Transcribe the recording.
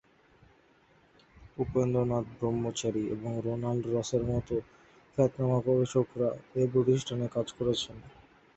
উপেন্দ্রনাথ ব্রহ্মচারী এবং রোনাল্ড রসের মত খ্যাতনামা গবেষকেরা এই প্রতিষ্ঠানে কাজ করেছেন।